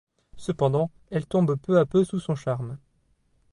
Cependant, elle tombe peu à peu sous son charme.